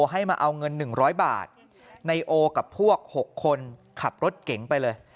ให้มาเอาเงิน๑๐๐บาทในโอกับพวก๖คนขับรถเก๋งไปเลย